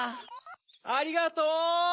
ありがとう！